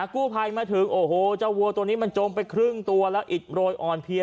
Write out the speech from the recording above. กู้ภัยมาถึงโอ้โหเจ้าวัวตัวนี้มันจมไปครึ่งตัวแล้วอิดโรยอ่อนเพลีย